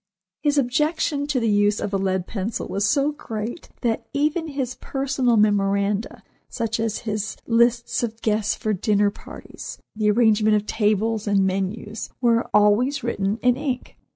His objection to the use of a lead pencil was so great that even his personal memoranda, such as his lists of guests for dinner parties, the arrangement of tables and menus, were always written in ink.